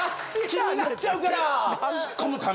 気になっちゃうから！